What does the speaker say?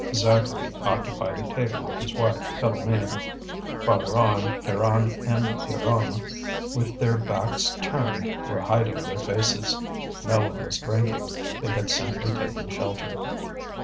Zacharie occupied a table with his wife, Philoméne. Farther on, Pierron and Pierronne, with their backs turned, were hiding their faces. No one was drinking, they had simply taken shelter.